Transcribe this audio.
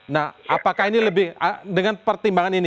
nah apakah ini lebih dengan pertimbangan ini